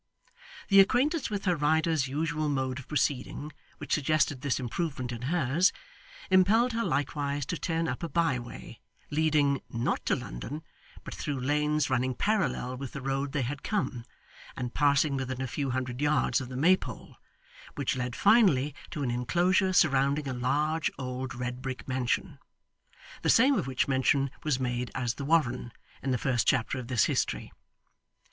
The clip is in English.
The acquaintance with her rider's usual mode of proceeding, which suggested this improvement in hers, impelled her likewise to turn up a bye way, leading not to London, but through lanes running parallel with the road they had come, and passing within a few hundred yards of the Maypole, which led finally to an inclosure surrounding a large, old, red brick mansion the same of which mention was made as the Warren in the first chapter of this history.